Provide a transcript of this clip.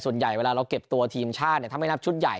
ส่วนใหญ่เวลาเราเก็บตัวทีมชาติถ้าไม่นับชุดใหญ่